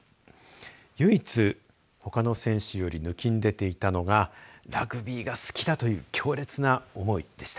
唯一ほかの選手より抜きん出ていたのがラグビーが好きだという強烈な思いでした。